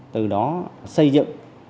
từ đó xây dựng